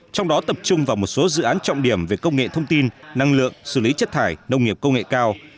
trong đó tập trung vào một số dự án trọng điểm về công nghệ thông tin năng lượng xử lý chất thải nông nghiệp công nghệ cao